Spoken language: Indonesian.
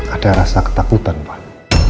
ada rasa ketakutan pak